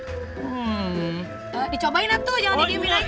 hmm dicobain atu jangan didiemin aja